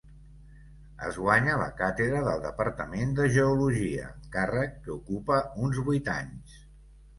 Es guanya la càtedra del departament de Geologia, càrrec que ocupa uns vuit anys.